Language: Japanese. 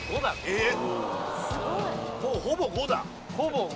えっ？